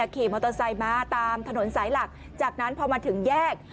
ขี่มอเตอร์ไซค์มาตามถนนสายหลักจากนั้นพอมาถึงแยก